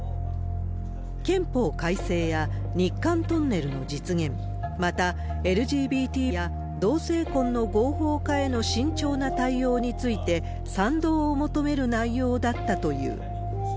憲法改正や日韓トンネルの実現、また、ＬＧＢＴや同性婚の合法化への慎重な対応について賛同を求める内容だったという。